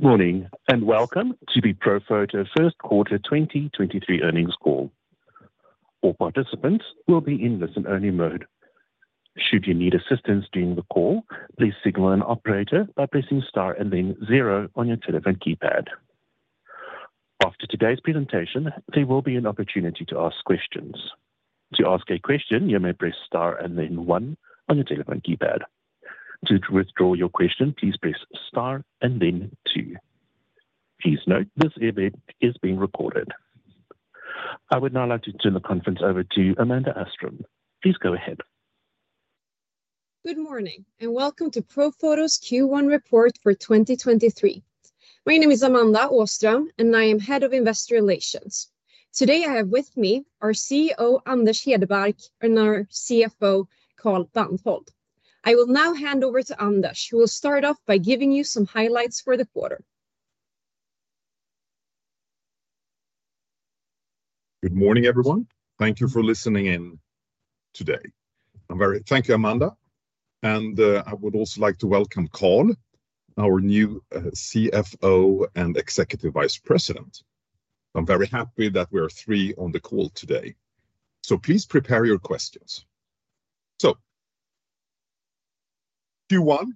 Good morning, welcome to the Profoto first quarter 2023 earnings call. All participants will be in listen only mode. Should you need assistance during the call, please signal an operator by pressing star and then zero on your telephone keypad. After today's presentation, there will be an opportunity to ask questions. To ask a question, you may press star and then one on your telephone keypad. To withdraw your question, please press star and then two. Please note this event is being recorded. I would now like to turn the conference over to Amanda Åström. Please go ahead. Good morning, welcome to Profoto's Q1 report for 2023. My name is Amanda Åström, and I am Head of Investor Relations. Today I have with me our CEO, Anders Hedebark, and our CFO, Carl Bandhold. I will now hand over to Anders, who will start off by giving you some highlights for the quarter. Good morning, everyone. Thank you for listening in today. Thank you, Amanda, and I would also like to welcome Carl, our new CFO and Executive Vice President. I'm very happy that we're three on the call today. Please prepare your questions. Q1,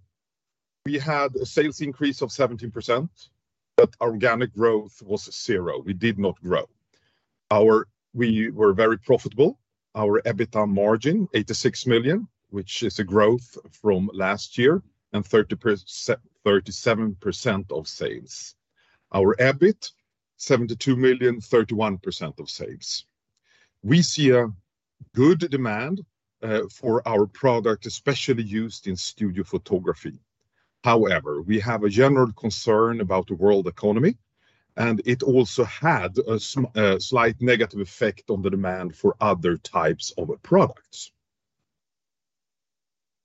we had a sales increase of 17%. Organic growth was 0. We did not grow. We were very profitable. Our EBITDA margin, 86 million, which is a growth from last year and 37% of sales. Our EBIT, 72 million, 31% of sales. We see a good demand for our product, especially used in studio photography. However, we have a general concern about the world economy. It also had a slight negative effect on the demand for other types of products.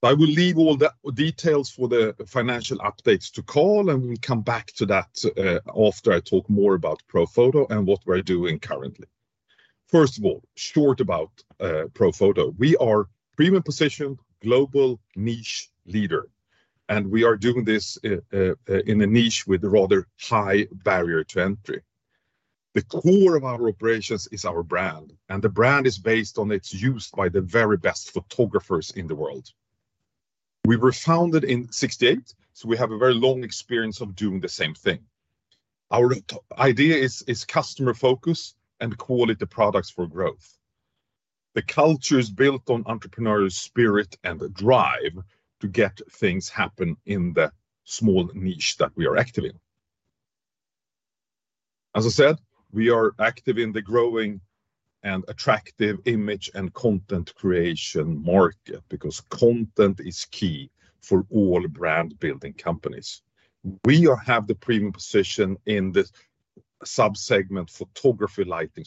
I will leave all the details for the financial updates to Carl. We'll come back to that after I talk more about Profoto and what we're doing currently. First of all, short about Profoto. We are premium position global niche leader. We are doing this in a niche with rather high barrier to entry. The core of our operations is our brand. The brand is based on its use by the very best photographers in the world. We were founded in 1968. We have a very long experience of doing the same thing. Our idea is customer focus and quality products for growth. The culture is built on entrepreneurial spirit and the drive to get things happen in the small niche that we are active in. As I said, we are active in the growing and attractive image and content creation market because content is key for all brand-building companies. We have the premium position in this sub-segment photography lighting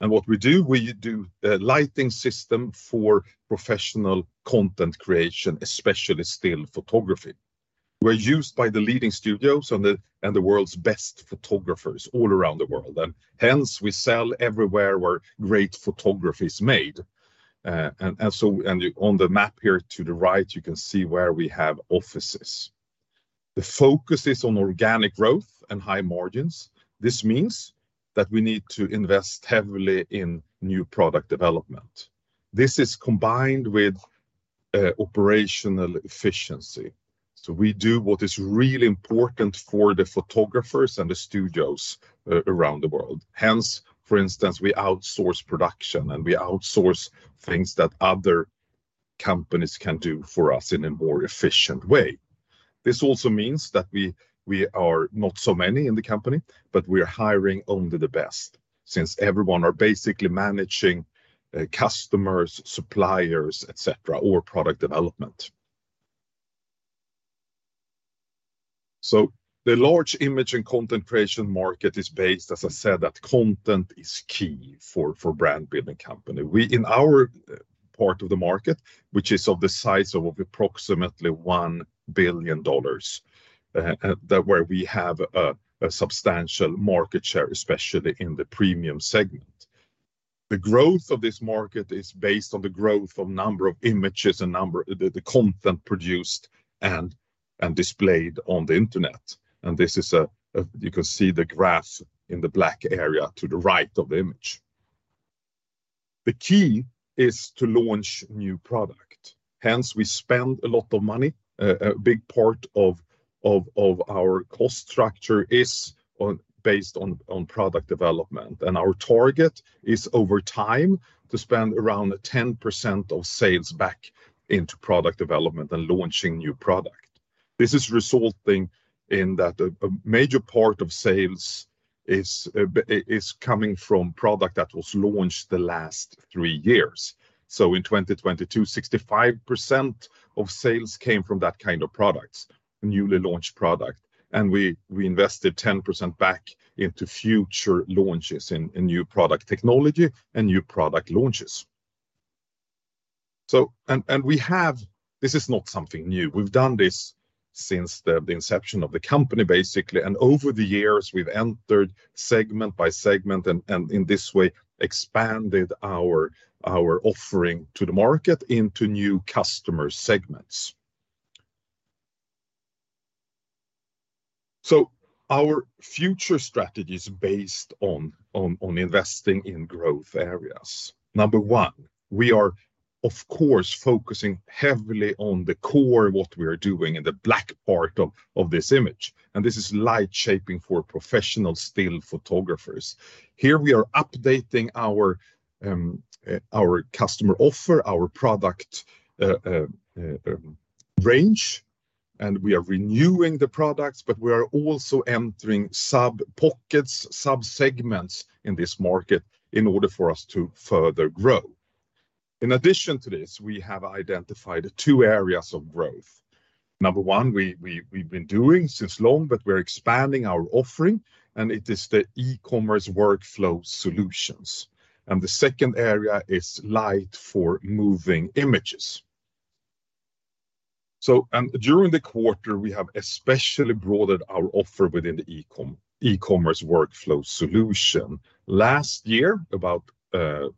solution. What we do, we do a lighting system for professional content creation, especially still photography. We're used by the leading studios and the world's best photographers all around the world, and hence, we sell everywhere where great photography is made. On the map here to the right, you can see where we have offices. The focus is on organic growth and high margins. This means that we need to invest heavily in new product development. This is combined with operational efficiency. We do what is really important for the photographers and the studios around the world. Hence, for instance, we outsource production, and we outsource things that other companies can do for us in a more efficient way. This also means that we are not so many in the company, but we are hiring only the best since everyone are basically managing customers, suppliers, etc., or product development. The large image and content creation market is based, as I said, that content is key for brand-building company. We, in our part of the market, which is of the size of approximately $1 billion, that where we have a substantial market share, especially in the premium segment. The growth of this market is based on the growth of number of images and the content produced and displayed on the internet. You can see the graph in the black area to the right of the image. The key is to launch new product. We spend a lot of money. A big part of our cost structure is based on product development. Our target is over time to spend around 10% of sales back into product development and launching new product. This is resulting in that a major part of sales is coming from product that was launched the last three years. In 2022, 65% of sales came from that kind of products, newly launched product, and we invested 10% back into future launches in new product technology and new product launches. This is not something new. We've done this since the inception of the company, basically, and over the years, we've entered segment by segment and in this way expanded our offering to the market into new customer segments. Our future strategy is based on investing in growth areas. Number 1, we are, of course, focusing heavily on the core of what we are doing in the black part of this image, and this is light shaping for professional still photographers. Here we are updating our customer offer, our product range, and we are renewing the products. We are also entering sub-pockets, sub-segments in this market in order for us to further grow. In addition to this, we have identified two areas of growth. Number one, we've been doing since long, but we're expanding our offering, and it is the e-commerce workflow solutions, and the second area is light for moving images. During the quarter, we have especially broadened our offer within the e-commerce workflow solution. Last year, about 12,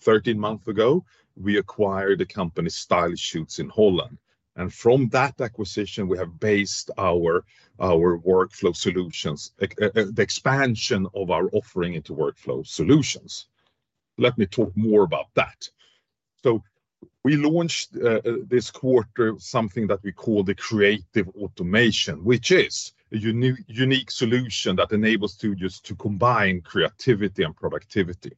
13 months ago, we acquired the company StyleShoots in Holland, and from that acquisition, we have based our workflow solutions, the expansion of our offering into workflow solutions. Let me talk more about that. We launched this quarter something that we call the Creative Automation, which is a unique solution that enables studios to combine creativity and productivity.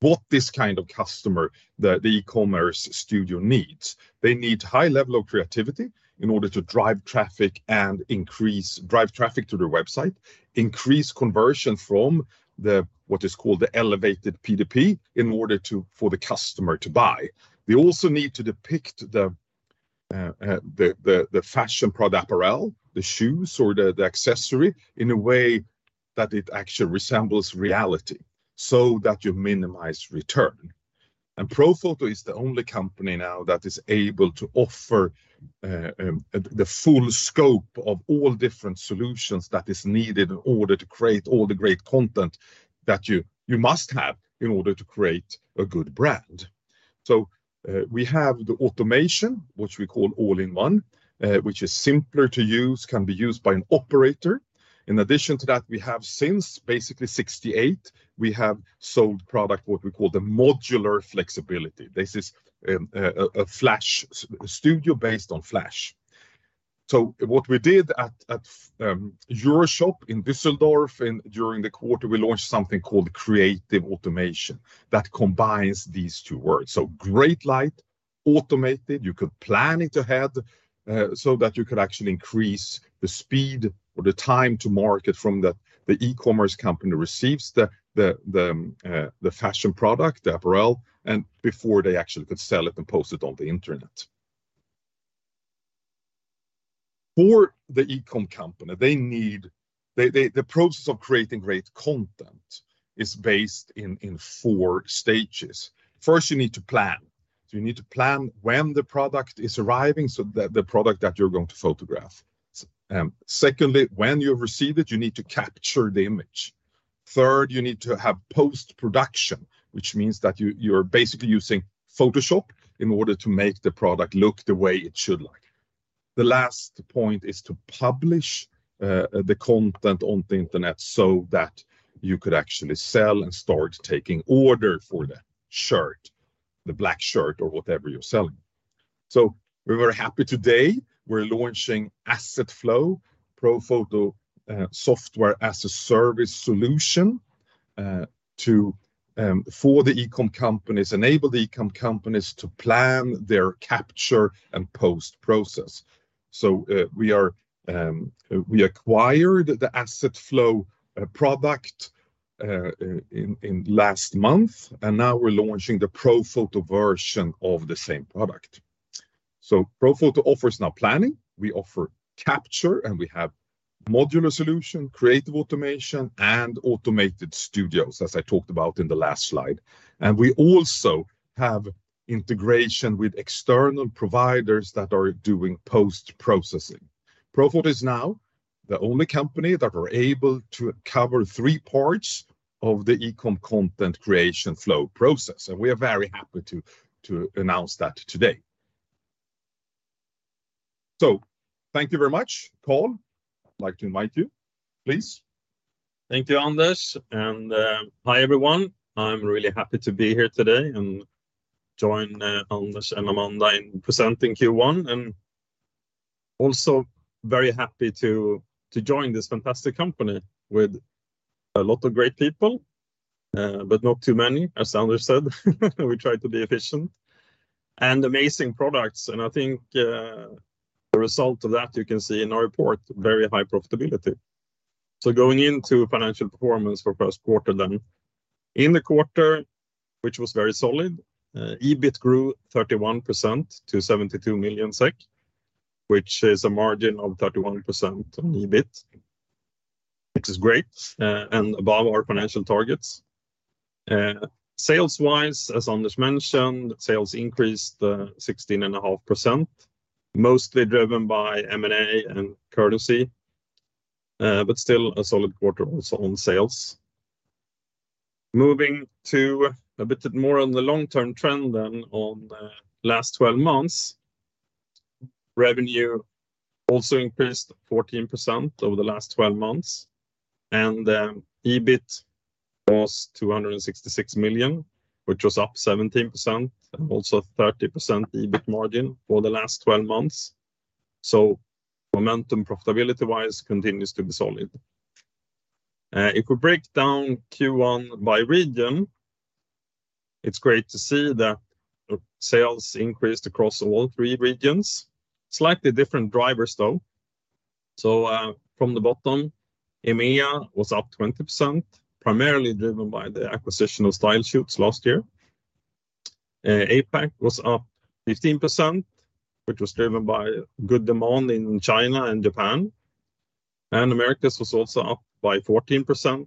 What this kind of customer the e-commerce studio needs, they need high level of creativity in order to drive traffic and drive traffic to their website, increase conversion from the, what is called the elevated PDP in order to, for the customer to buy. They also need to depict the fashion apparel, the shoes or the accessory in a way that it actually resembles reality so that you minimize return. Profoto is the only company now that is able to offer the full scope of all different solutions that is needed in order to create all the great content that you must have in order to create a good brand. We have the automation, which we call all-in-one, which is simpler to use, can be used by an operator. In addition to that, we have since, basically 68, we have sold product, what we call the modular flexibility. This is a Flash studio based on Flash. What we did at EuroShop in Düsseldorf during the quarter, we launched something called Creative Automation that combines these two words. Great light, automated, you could plan it ahead, so that you could actually increase the speed or the time to market from the e-commerce company receives the fashion product, the apparel, and before they actually could sell it and post it on the internet. For the eCom company, the process of creating great content is based in four stages. First, you need to plan. You need to plan when the product is arriving, the product that you're going to photograph. Secondly, when you receive it, you need to capture the image. Third, you need to have post-production, which means that you're basically using Photoshop in order to make the product look the way it should like. The last point is to publish the content on the internet so that you could actually sell and start taking order for the shirt, the black shirt or whatever you're selling. We're very happy today. We're launching AssetFlow, Profoto software-as-a-service solution to for the eCom companies, enable the eCom companies to plan their capture and post-process. We acquired the AssetFlow product in last month, and now we're launching the Profoto version of the same product. Profoto offers now planning, we offer capture, and we have modular solution, Creative Automation, and automated studios, as I talked about in the last slide. We also have integration with external providers that are doing post-processing. Profoto is now the only company that are able to cover three parts of the eCom content creation flow process, and we are very happy to announce that today. Thank you very much. Carl, I'd like to invite you, please. Thank you, Anders, and hi, everyone. I'm really happy to be here today and join Anders and Amanda in presenting Q1, and also very happy to join this fantastic company with a lot of great people, but not too many, as Anders said. We try to be efficient. Amazing products, and I think the result of that you can see in our report, very high profitability. Going into financial performance for first quarter then. In the quarter, which was very solid, EBIT grew 31% to 72 million SEK, which is a margin of 31% on EBIT, which is great, and above our financial targets. Sales-wise, as Anders mentioned, sales increased 16.5%, mostly driven by M&A and currency, but still a solid quarter also on sales. Moving to a bit more on the long-term trend than on the last 12 months, revenue also increased 14% over the last 12 months. EBIT was 266 million, which was up 17% and also 30% EBIT margin for the last 12 months. Momentum profitability-wise continues to be solid. If we break down Q1 by region, it's great to see that sales increased across all three regions. Slightly different drivers, though. From the bottom, EMEA was up 20%, primarily driven by the acquisition of StyleShoots last year. APAC was up 15%, which was driven by good demand in China and Japan. Americas was also up by 14%.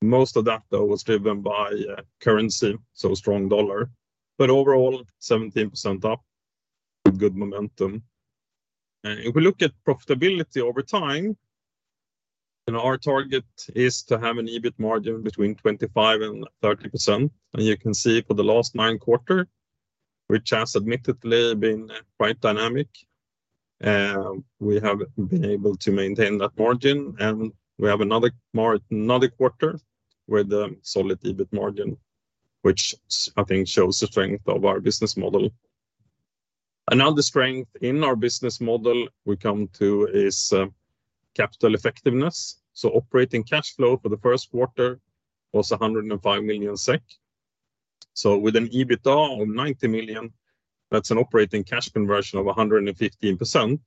Most of that, though, was driven by currency, so a strong dollar. Overall, 17% up, good momentum. If we look at profitability over time, you know, our target is to have an EBIT margin between 25%-30%. You can see for the last 9th quarter, which has admittedly been quite dynamic, we have been able to maintain that margin, and we have another quarter with a solid EBIT margin, which I think shows the strength of our business model. Another strength in our business model we come to is capital effectiveness. Operating cash flow for the first quarter was 105 million SEK. With an EBITDA of 90 million, that's an operating cash conversion of 115%,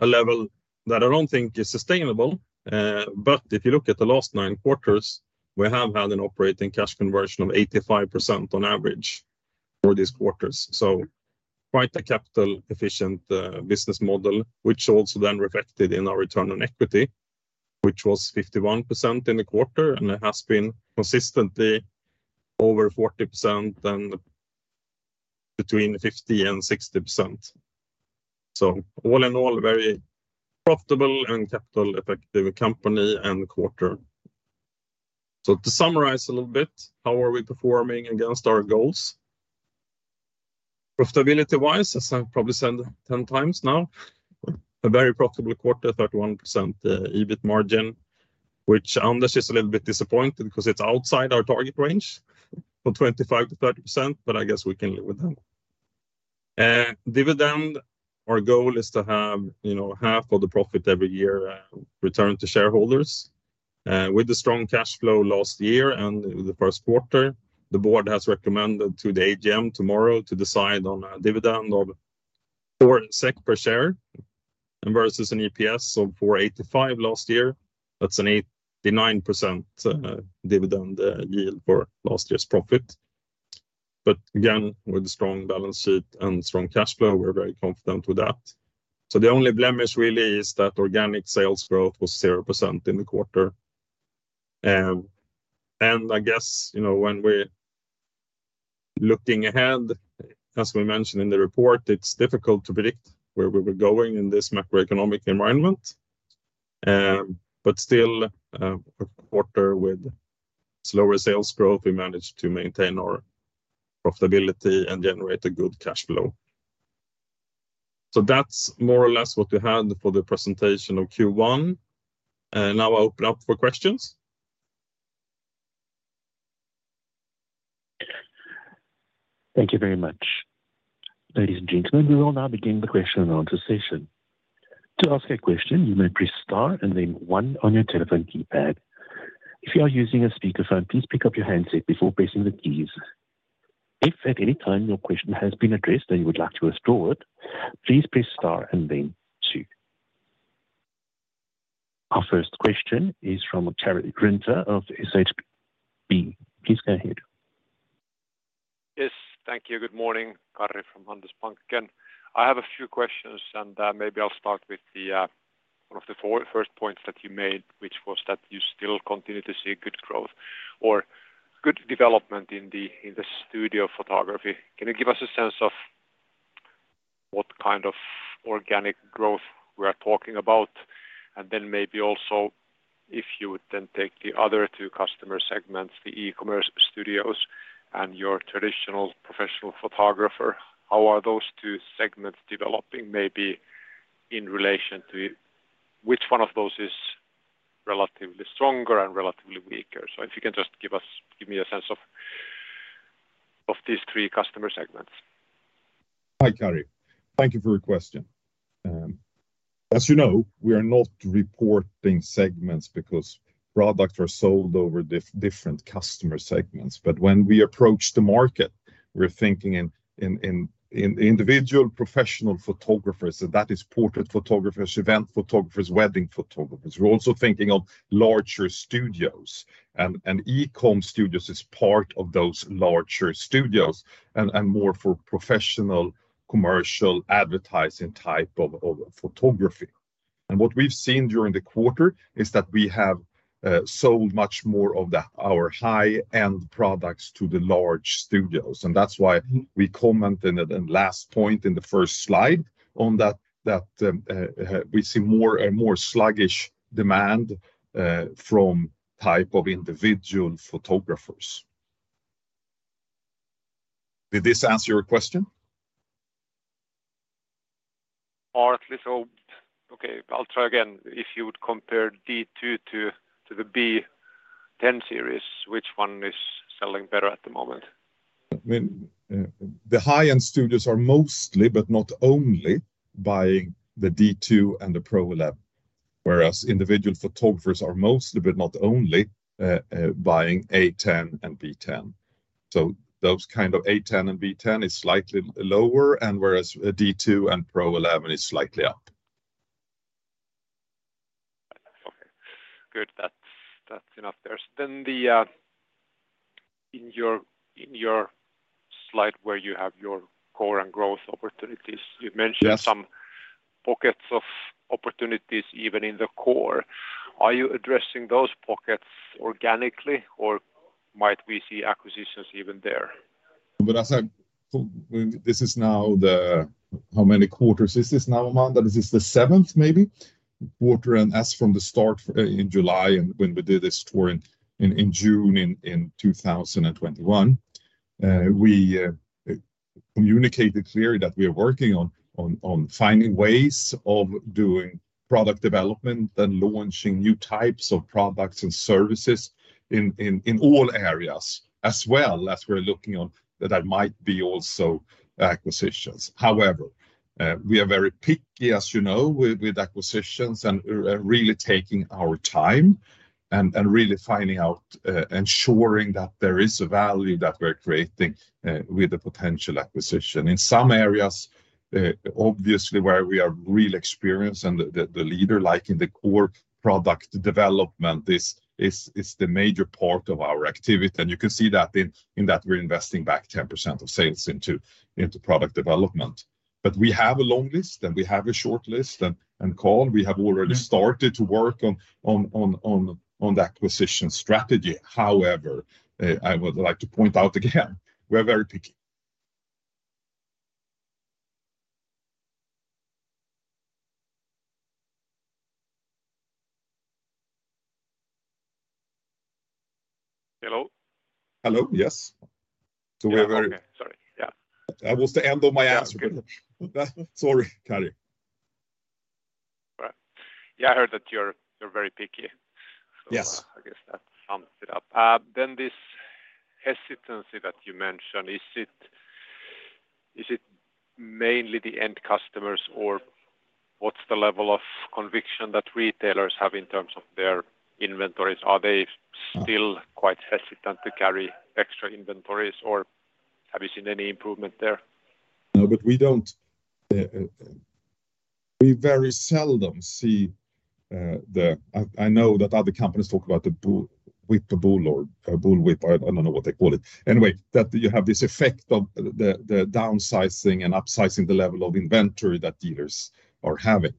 a level that I don't think is sustainable. But if you look at the last 9 quarters, we have had an operating cash conversion of 85% on average for these quarters. Quite a capital-efficient business model, which also then reflected in our return on equity, which was 51% in the quarter, and it has been consistently over 40% and between 50% and 60%. All in all, very profitable and capital-effective company and quarter. To summarize a little bit, how are we performing against our goals? Profitability-wise, as I've probably said 10 times now, a very profitable quarter, 31% EBIT margin, which Anders is a little bit disappointed because it's outside our target range of 25%-30%, but I guess we can live with that. Dividend, our goal is to have, you know, half of the profit every year returned to shareholders. With the strong cash flow last year and the first quarter, the board has recommended to the AGM tomorrow to decide on a dividend of 4 SEK per share and versus an EPS of 4.85 last year. That's an 89% dividend yield for last year's profit. With a strong balance sheet and strong cash flow, we're very confident with that. The only blemish really is that organic sales growth was 0% in the quarter. I guess, you know, when we're looking ahead, as we mentioned in the report, it's difficult to predict where we were going in this macroeconomic environment. A quarter with slower sales growth, we managed to maintain our profitability and generate a good cash flow. That's more or less what we had for the presentation of Q1. Now I'll open up for questions. Thank you very much. Ladies and gentlemen, we will now begin the question and answer session. To ask a question, you may press star and then one on your telephone keypad. If you are using a speakerphone, please pick up your handset before pressing the keys. If at any time your question has been addressed and you would like to withdraw it, please press star and then two. Our first question is from Karri Rinta of SHB. Please go ahead. Yes. Thank you. Good morning. Karri from Handelsbanken again. I have a few questions. Maybe I'll start with one of the four first points that you made, which was that you still continue to see good growth or good development in the studio photography. Can you give us a sense of what kind of organic growth we are talking about? Maybe also if you would take the other two customer segments, the e-commerce studios and your traditional professional photographer, how are those two segments developing maybe in relation to which one of those is relatively stronger and relatively weaker? If you can just give me a sense of these three customer segments. Hi, Karri. Thank you for your question. As you know, we are not reporting segments because products are sold over different customer segments. When we approach the market, we're thinking in individual professional photographers, so that is portrait photographers, event photographers, wedding photographers. We're also thinking of larger studios and e-com studios as part of those larger studios and more for professional commercial advertising type of photography. What we've seen during the quarter is that we have sold much more of our high-end products to the large studios, and that's why we commented at the last point in the first slide on that, we see more and more sluggish demand from type of individual photographers. Did this answer your question? Partly. Okay, I'll try again. If you would compare D2 to the B10 series, which one is selling better at the moment? I mean, the high-end studios are mostly, but not only, buying the D2 and the Pro-11, whereas individual photographers are mostly, but not only, buying A10 and B10. Those kind of A10 and B10 is slightly lower, whereas D2 and Pro-11 is slightly up. Okay, good. That's, that's enough there. The, in your slide where you have your core and growth opportunities- Yes You mentioned some pockets of opportunities even in the core. Are you addressing those pockets organically, or might we see acquisitions even there? This is now How many quarters is this now, Amanda? That this is the seventh maybe quarter. As from the start in July and when we did this tour in June in 2021, we communicated clearly that we are working on finding ways of doing product development and launching new types of products and services in all areas, as well as we're looking on that might be also acquisitions. However, we are very picky, as you know, with acquisitions and really taking our time and really finding out, ensuring that there is a value that we're creating with the potential acquisition. In some areas, obviously where we are real experienced and the leader, like in the core product development, is the major part of our activity. You can see that in that we're investing back 10% of sales into product development. We have a long list, and we have a short list. Carl. Mm-hmm... we have already started to work on the acquisition strategy. I would like to point out again, we're very picky. Hello? Hello. Yes. Yeah. Okay, sorry. Yeah. That was the end of my answer. Yeah. Okay. Sorry, Kari. All right. Yeah, I heard that you're very picky. Yes. I guess that sums it up. This hesitancy that you mentioned. Is it mainly the end customers, or what's the level of conviction that retailers have in terms of their inventories? Are they still quite hesitant to carry extra inventories, or have you seen any improvement there? We don't, we very seldom see, I know that other companies talk about the bull whip, the bull or bull whip. I don't know what they call it. Anyway, that you have this effect of the downsizing and upsizing the level of inventory that dealers are having.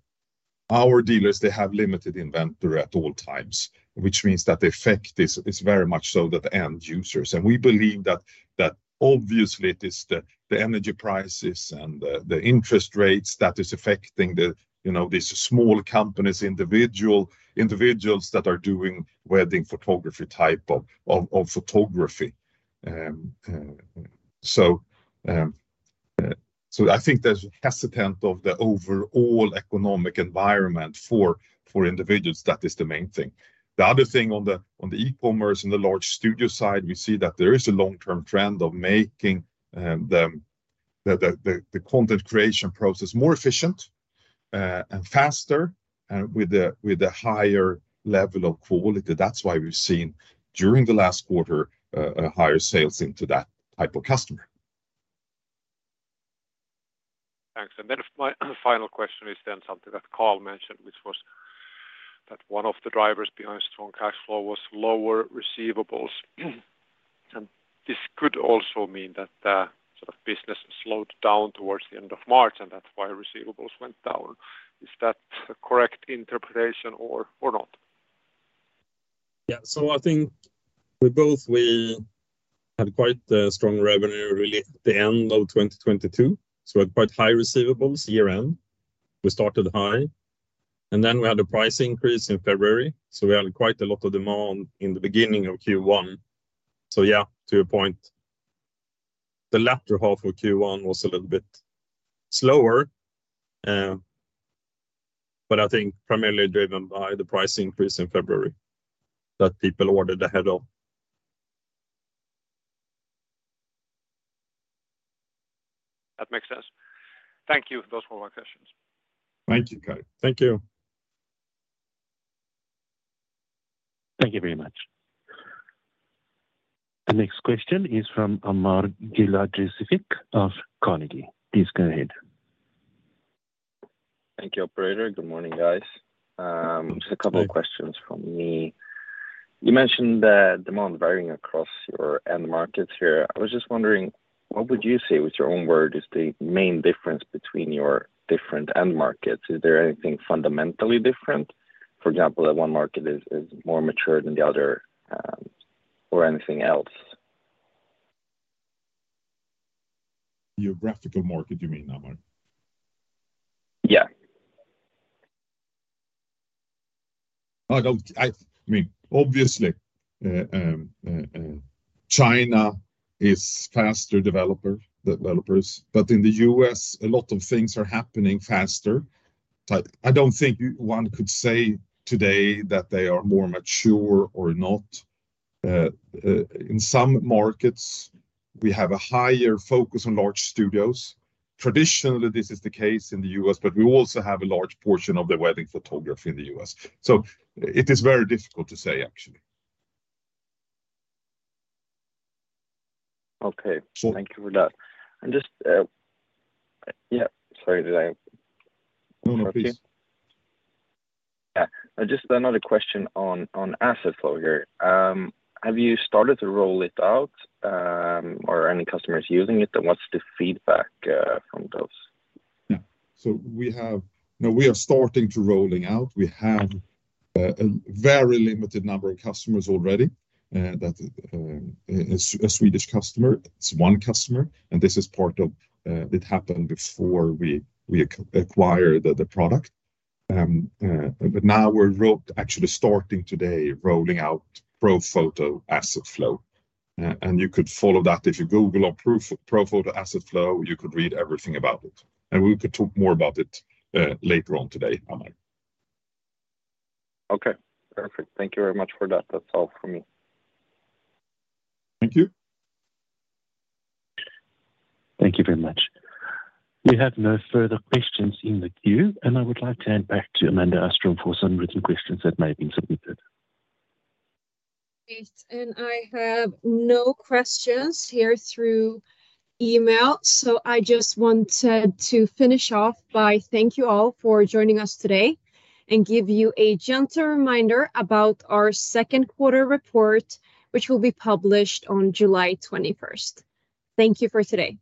Our dealers, they have limited inventory at all times, which means that the effect is very much so that the end users. We believe that obviously it is the energy prices and the interest rates that is affecting the, you know, these small companies, individuals that are doing wedding photography type of photography. So I think there's hesitant of the overall economic environment for individuals. That is the main thing. The other thing on the, on the e-commerce and the large studio side, we see that there is a long-term trend of making the content creation process more efficient and faster, with a higher level of quality. That's why we've seen during the last quarter, higher sales into that type of customer. Thanks. Then my final question is then something that Carl mentioned, which was that one of the drivers behind strong cash flow was lower receivables. This could also mean that the sort of business slowed down towards the end of March, and that's why receivables went down. Is that a correct interpretation or not? Yeah. I think we both, we had quite a strong revenue really at the end of 2022, so we had quite high receivables year-end. We started high, and then we had a price increase in February, so we had quite a lot of demand in the beginning of Q1. Yeah, to your point, the latter half of Q1 was a little bit slower, but I think primarily driven by the price increase in February that people ordered ahead of. That makes sense. Thank you. Those were my questions. Thank you, Kari. Thank you. Thank you very much. The next question is from Amar Galijašević of Carnegie. Please go ahead. Thank you, operator. Good morning, guys. Good day.... just a couple of questions from me. You mentioned the demand varying across your end markets here. I was just wondering, what would you say with your own word is the main difference between your different end markets? Is there anything fundamentally different, for example, that one market is more mature than the other, or anything else? Geographical market, you mean, Amar? Yeah. I mean, obviously, China is faster developers, In the U.S. a lot of things are happening faster. I don't think one could say today that they are more mature or not. In some markets, we have a higher focus on large studios. Traditionally, this is the case in the U.S., but we also have a large portion of the wedding photography in the U.S. It is very difficult to say actually. Okay. So- Thank you for that. Just, yeah, sorry, did I interrupt you? No, no, please. Just another question on AssetFlow here. Have you started to roll it out, or any customers using it, and what's the feedback from those? No, we are starting to rolling out. We have a very limited number of customers already, that a Swedish customer. It's one customer, this is part of, it happened before we acquire the product. Now we're actually starting today rolling out Profoto AssetFlow. You could follow that if you Google on Profoto AssetFlow, you could read everything about it, and we could talk more about it later on today, Amar. Okay, perfect. Thank you very much for that. That's all from me. Thank you. Thank you very much. We have no further questions in the queue, and I would like to hand back to Amanda Åström for some written questions that may have been submitted. Yes. I have no questions here through email. I just wanted to finish off by thank you all for joining us today and give you a gentle reminder about our 2nd quarter report, which will be published on July 21st. Thank you for today.